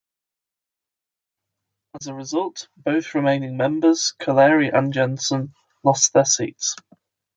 As a result, both remaining members, Collaery and Jensen, lost their seats.